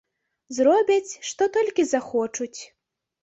Зробяць, што толькі захочуць.